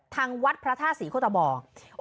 ทางวัดพระทาสีโคตบอง